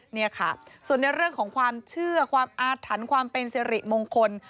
นี่ค่ะส่วนในเรื่องของความเชื่อความอาถรรพ์ความเป็นสิริมงคล